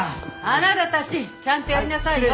あなたたちちゃんとやりなさいよ。